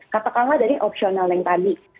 katakanlah dari opsional yang tadi